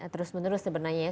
terus menerus sebenarnya ya